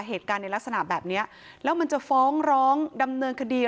เหตุการณ์ในลักษณะแบบนี้แล้วมันจะฟ้องร้องดำเนินคดี